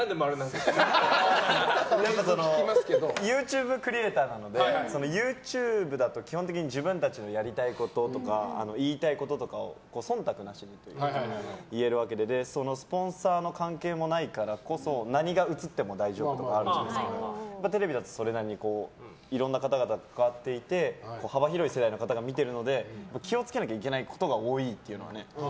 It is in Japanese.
やっぱりＹｏｕＴｕｂｅクリエーターなのでＹｏｕＴｕｂｅだと基本的に自分たちのやりたいこととか言いたいこととかを忖度なしで言えるわけでスポンサーの関係もないからこそ何が映っても大丈夫とかあるんですけどテレビだとそれなりにいろんな方々が関わっていて幅広い世代の方が見ているので気を付けなければいけないことが多いというのは。